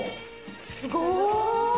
すごーい！